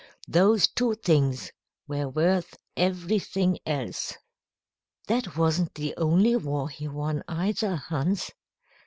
Those two things were worth everything else." "That wasn't the only war he won, either, Hans."